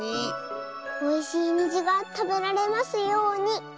おいしいにじがたべられますように。